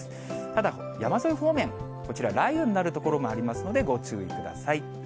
ただ、山沿い方面、こちら、雷雨になる所もありますので、ご注意ください。